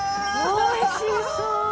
おいしそう！